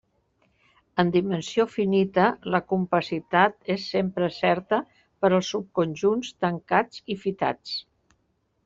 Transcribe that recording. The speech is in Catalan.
En dimensió finita, la compacitat és sempre certa per als subconjunts tancats i fitats.